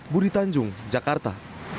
budi tanjung jakarta